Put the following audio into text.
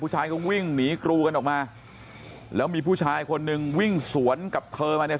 ผู้ชายก็วิ่งหนีกรูกันออกมาแล้วมีผู้ชายคนหนึ่งวิ่งสวนกับเธอมาเนี่ย